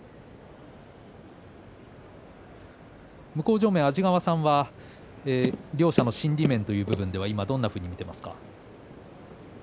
向正面安治川さんは両者の心理面という部分ではどんなふうに見ていますか。